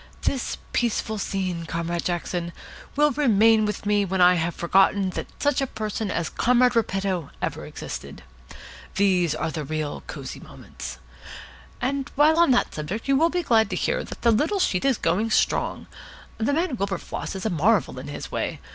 This peaceful scene, Comrade Jackson, will remain with me when I have forgotten that such a person as Comrade Repetto ever existed. These are the real Cosy Moments. And while on that subject you will be glad to hear that the little sheet is going strong. The man Wilberfloss is a marvel in his way.